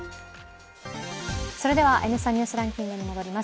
それでは「Ｎスタ・ニュースランキング」に戻ります。